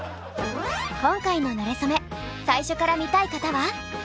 今回の「なれそめ」最初から見たい方は。